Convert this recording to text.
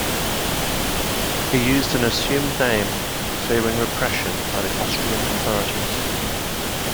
He used an assumed name fearing repression by the Austrian authorities.